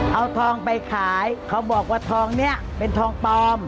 เอาทองไปขายเขาบอกว่าทองนี้เป็นทองปลอม